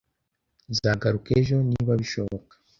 Nzagaruka ejo, niba bishoboka.